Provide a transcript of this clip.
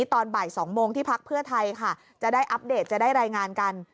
ตอนบ่าย๒โมงที่พักเพื่อไทยค่ะจะได้อัปเดตจะได้รายงานกัน